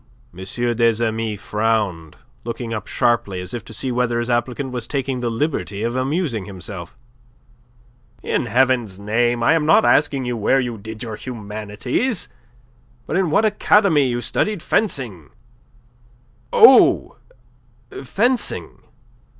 des Amis frowned, looking up sharply as if to see whether his applicant was taking the liberty of amusing himself. "In Heaven's name! I am not asking you where you did your humanities, but in what academy you studied fencing." "Oh fencing!"